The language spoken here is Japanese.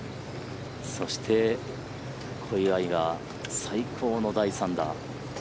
そして、小祝が最高の第３打。